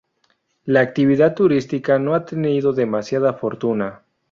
La actividad turística no ha tenido demasiada fortuna.